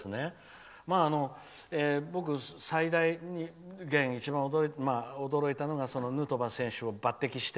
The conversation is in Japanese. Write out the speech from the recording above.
僕、一番驚いたのはヌートバー選手を抜擢して。